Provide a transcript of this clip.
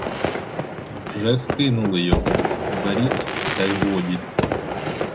Вже скинули його: беріть, та й годі!